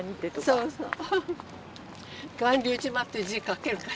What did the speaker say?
そうそう。